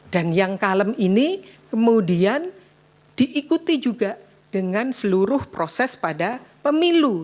dan yang kalem ini kemudian diikuti juga dengan seluruh proses pada pemilu